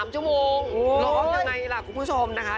๓ชั่วโมงร้องยังไงล่ะคุณผู้ชมนะคะ